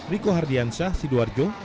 riko hardiansyah sidoarjo